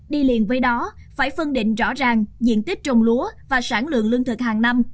đi liền với đó phải phân định rõ ràng diện tích trồng lúa và sản lượng lương thực hàng năm